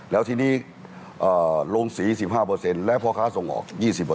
แล้วทีนี้ลงสี๑๕แล้วพ่อค้าส่งออก๒๐